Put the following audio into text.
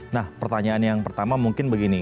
nah pertanyaan yang pertama mungkin begini